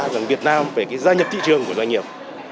rằng việt nam về cái gia nhập thị trường của doanh nghiệp